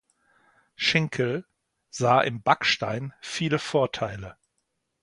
Schinkel sah im Backstein viele Vorteile.